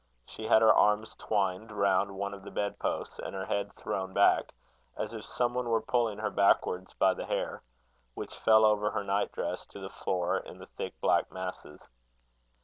She had her arms twined round one of the bed posts, and her head thrown back, as if some one were pulling her backwards by her hair, which fell over her night dress to the floor in thick, black masses.